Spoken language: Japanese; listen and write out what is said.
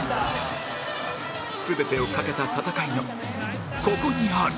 全てを懸けた戦いがここにある